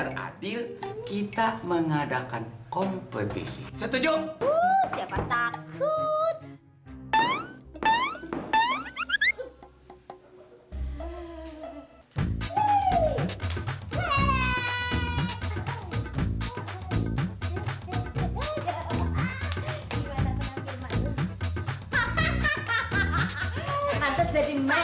nah aina lagi akan forward sisi murid semua mat rep signal junge